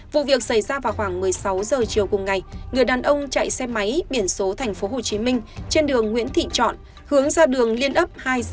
vụ việc xảy ra vào khoảng một mươi sáu h chiều cùng ngày người đàn ông chạy xe máy biển số tp hcm trên đường nguyễn thị trọn hướng ra đường liên ấp hai xã